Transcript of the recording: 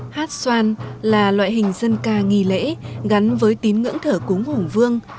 hát xoan là loại hình dân ca nghì lễ gắn với tín ngưỡng thở cúng hổng vương